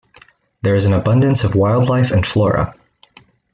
There is an abundance of wildlife and flora.